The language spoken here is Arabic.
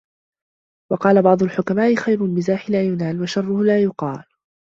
وَقَالَ بَعْضُ الْحُكَمَاءِ خَيْرُ الْمِزَاحِ لَا يُنَالُ ، وَشَرُّهُ لَا يُقَالُ